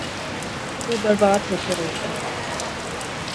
وہ برباد ہو کے رہ گئے۔